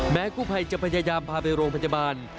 แม้ผู้ไพรจะพยายามพาไปโรงพัจจิบาล